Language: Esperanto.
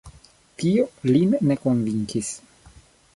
Tio lin ne konvinkis.